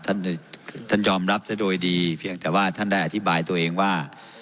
ท่านท่านยอมรับซะโดยดีเพียงแต่ว่าท่านได้อธิบายตัวเองว่า